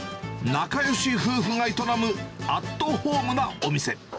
仲よし夫婦が営むアットホームなお店。